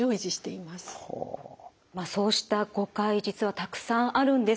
そうした誤解実はたくさんあるんです。